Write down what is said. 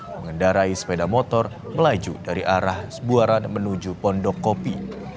mengendarai sepeda motor melaju dari arah buaran menuju pondok kopi